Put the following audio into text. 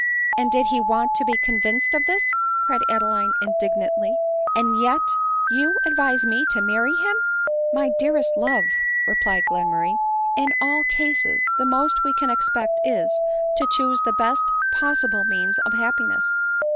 " And did he want to be convinced of this ?" cried Adeline indignantly ;" and yet you advise me to marry him ?"" My dearest love," replied Glenmurray, " in all cases the most we can expect is, to choose the best possible means of happiness.